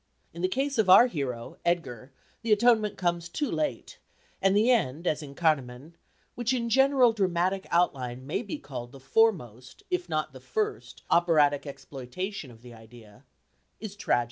In the case of our hero, Edgar, the atonement comes too late, and the end, as in Carmen which in general dramatic outline may be called the foremost if not the first operatic exploitation of the idea is Tragedy.